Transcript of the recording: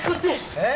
えっ？